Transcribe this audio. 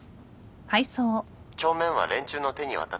帳面は連中の手に渡った